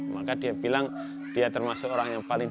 maka dia bilang dia termasuk orang yang paling